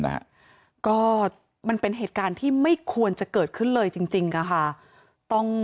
นะฮะก็มันเป็นเหตุการณ์ที่ไม่ควรจะเกิดขึ้นเลยจริงจริงอะค่ะต้อง